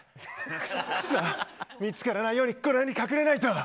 クソ、見つからないようにこの辺に隠れないと。